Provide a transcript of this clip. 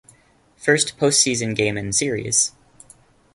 First postseason game in series.